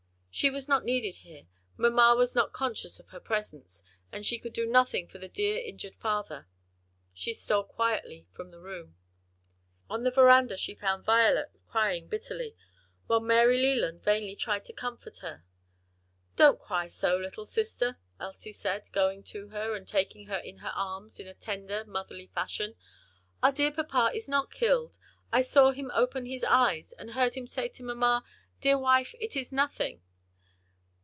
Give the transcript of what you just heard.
She was not needed here; mamma was not conscious of her presence, and she could do nothing for the dear injured father. She stole quietly from the room. On the veranda she found Violet crying bitterly, while Mary Leland vainly tried to comfort her. "Don't cry so, little sister," Elsie said, going to her and taking her in her arms in tender motherly fashion, "our dear papa is not killed; I saw him open his eyes, and heard him say to mamma, 'Dear wife, it is nothing.'"